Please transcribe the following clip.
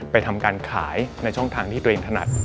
ทำการขายในช่องทางที่ตัวเองถนัด